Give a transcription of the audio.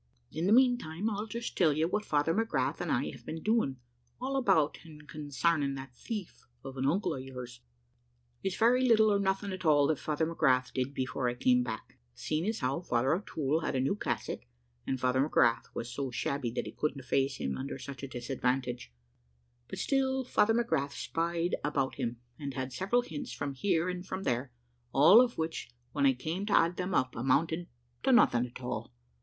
In the meantime, I'll just tell you what Father McGrath and I have been doing, all about and consarning that thief of an uncle of yours. "It's very little or nothing at all that Father McGrath did before I came back, seeing as how Father O'Toole had a new cassock, and Father McGrath's was so shabby that he couldn't face him under such a disadvantage: but still Father McGrath spied about him, and had several hints from here and from there, all of which, when I came to add them up, amounted to nothing at all.